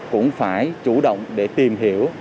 cũng phải chủ động để tìm hiểu